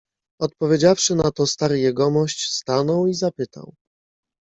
"Odpowiedziawszy na to stary jegomość, stanął i zapytał."